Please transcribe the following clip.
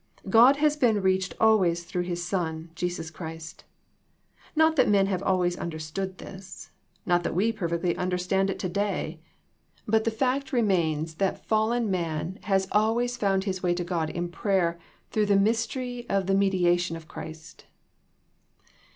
God has been reached always through His Son, Jesus Christ. Not that men have always understood this, not that we perfectly understand it to day, but the 26 THE PEACTICE OF PEAYEE fact remains that fallen man has always found his way to God in prayer through the mystery of the mediation of Christ.